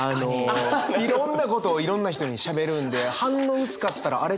いろんなことをいろんな人にしゃべるんで反応薄かったらあれ？